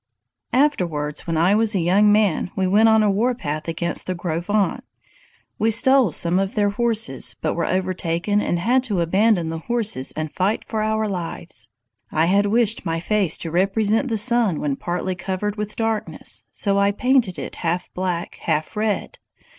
"Afterwards, when I was a young man, we went on a warpath against the Gros Ventres. We stole some of their horses, but were overtaken and had to abandon the horses and fight for our lives. I had wished my face to represent the sun when partly covered with darkness, so I painted it half black, half red.